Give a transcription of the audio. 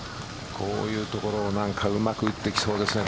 こういうところをうまく打ってきそうですね